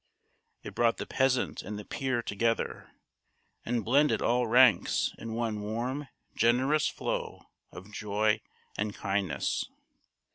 It brought the peasant and the peer together, and blended all ranks in one warm generous flow of joy and kindness.